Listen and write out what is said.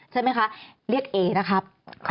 ใช่ไหมคะเรียกเอนะครับ